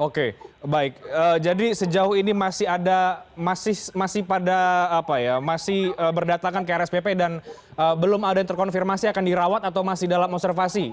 oke baik jadi sejauh ini masih ada masih pada apa ya masih berdatangan ke rspp dan belum ada yang terkonfirmasi akan dirawat atau masih dalam observasi